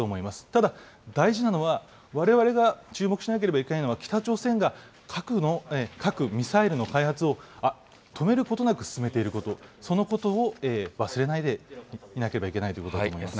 ただ大事なのはわれわれが注目しなければいけないのは、北朝鮮が核・ミサイルの開発を止めることなく進めていること、そのことを忘れないでいなければいけないということだと思います。